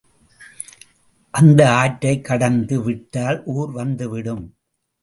அந்த ஆற்றைக் கடந்து விட்டால் ஊர் வந்து விடும்.